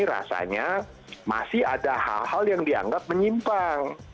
rasanya masih ada hal hal yang dianggap menyimpang